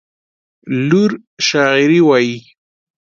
لور شاعري وايي.